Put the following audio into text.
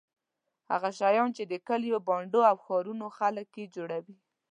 هغه شیان چې د کلیو بانډو او ښارونو خلک یې جوړوي.